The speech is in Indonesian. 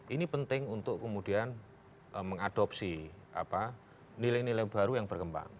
ini penting untuk kemudian mengadopsi nilai nilai baru yang berkembang